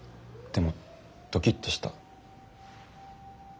でもドキッとした。